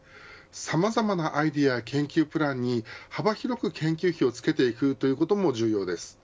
さまざまなアイデアや研究プランに幅広く研究費をつけていくことも重要です。